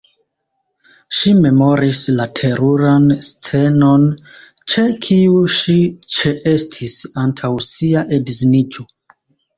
Ŝi memoris la teruran scenon, ĉe kiu ŝi ĉeestis antaŭ sia edziniĝo.